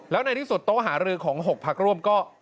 แล้วในที่สุดโต๊ะหารือของ๖พักร่วมก็